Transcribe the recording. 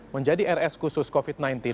menjadi rs khusus covid sembilan belas